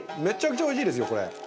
めちゃくちゃおいしいですよこれ。